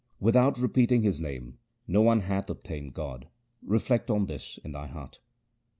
Without repeating His name no one hath obtained God ; reflect on this in thy heart.